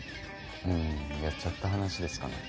うんやっちゃった話ですかね？